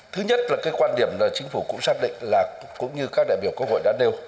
thứ nhất là quan điểm chính phủ cũng xác định cũng như các đại biểu quốc hội đã nêu